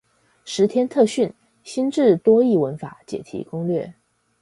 十天特訓！新制多益文法解題攻略